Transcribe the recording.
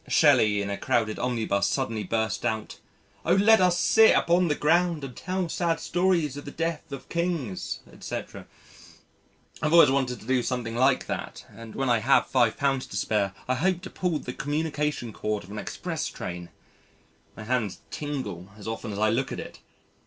Shelley in a crowded omnibus suddenly burst out: "O let us sit upon the ground and tell sad stories of the deaths of Kings, etc." I've always wanted to do something like that and when I have £5 to spare I hope to pull the communication cord of an express train my hands tingle as often as I look at it.